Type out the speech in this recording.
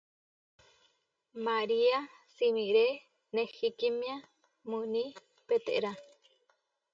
María simiré nehkímia muní Pétera.